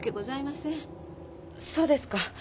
そうですか。